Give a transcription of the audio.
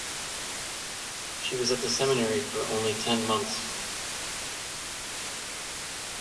She was at the seminary for only ten months.